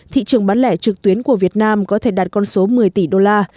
thị trường bán lẻ trực tuyến của việt nam có thể đạt con số một mươi tỷ đô la